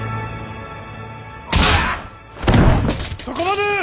そこまで！